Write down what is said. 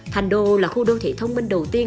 thành đô là khu đô thị thông minh đầu tiên